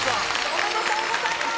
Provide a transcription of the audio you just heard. おめでとうございます。